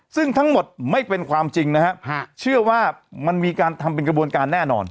ซึ่งทั้งหมดไม่เป็นความจริงนะฮะเชื่อว่ามันมีการทำเป็นกระบวนการแน่นอน